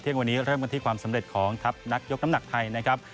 วันนี้เริ่มกันที่ความสำเร็จของทัพนักยกน้ำหนักไทยนะครับ